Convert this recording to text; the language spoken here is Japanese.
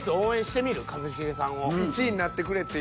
１位になってくれっていう。